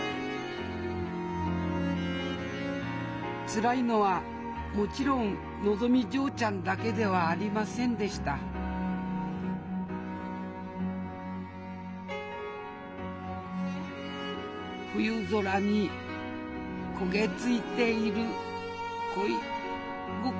つらいのはもちろんのぞみ嬢ちゃんだけではありませんでした「冬空に焦げ付いてゐる恋心」